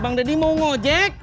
bang denny mau ngojek